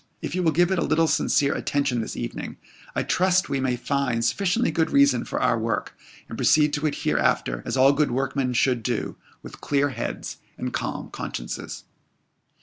If you will give it a little sincere attention this evening, I trust we may find sufficiently good reasons for our work, and proceed to it hereafter, as all good workmen should do, with clear heads, and calm consciences.